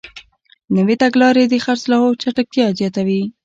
نوې تګلارې د خرڅلاو چټکتیا زیاتوي.